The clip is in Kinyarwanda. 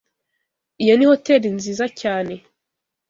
Iyo ni hoteri nziza cyane